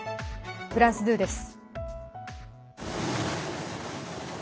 フランス２です。